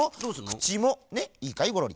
くちもねいいかいゴロリ。